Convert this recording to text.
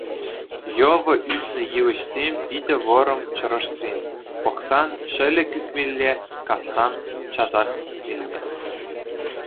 Йӑвӑ ӳснӗ йывӑҫсем, питӗ вӑрӑм чӑрӑшсем, пӑхсан — ҫӗлӗк ӳкмелле, кассан — часах ӳкмелле.